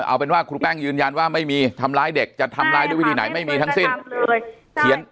เอาเป็นว่าครูแป้งยืนยันว่าไม่มีทำร้ายเด็กจะทำร้ายด้วยวิธีไหนไม่มีทั้งสิ้น